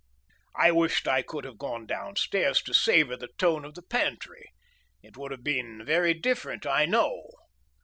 I wished I could have gone downstairs to savour the tone of the pantry. It would have been very different I know.